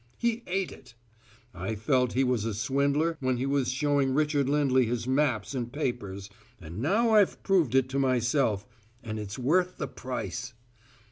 He ate it! I felt he was a swindler when he was showing Richard Lindley his maps and papers, and now I've proved it to myself, and it's worth the price."